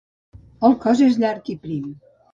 El cos és llarg i prim.